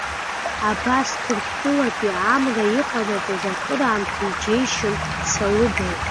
Абас Ҭырқәтәылатәи амра иҟанаҵоз акыраамҭа иџьеишьон Салыбеи.